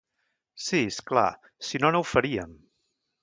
Sí, és clar, si no no ho faríem.